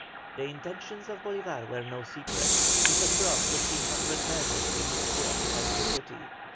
The intentions of Bolívar were no secret; he had brought 1,500 men with him, who occupied the city.